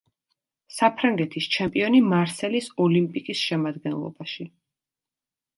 საფრანგეთის ჩემპიონი მარსელის „ოლიმპიკის“ შემადგენლობაში.